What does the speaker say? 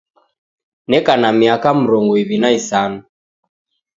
Neka na miaka mrongu iw'i na isanu